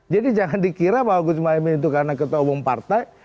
jadi jangan dikira bahwa gus mohaimin itu karena ketua umum partai